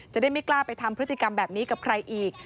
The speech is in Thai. จะได้ไม่กล้าไปทำพฤติกรรมแบบนี้กับใครอีก